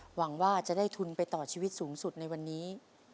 หวังว่าจะได้ทุนไปต่อชีวิตสูงสุดในวันนี้